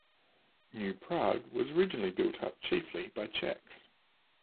New Prague was originally built up chiefly by Czechs.